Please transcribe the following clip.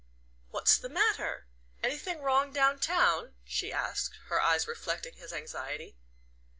"What's the matter anything wrong down town?" she asked, her eyes reflecting his anxiety.